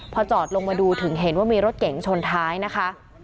พอจอดลงมาดูถึงเห็นว่ามีรถเก๋งชนท้ายนะคะ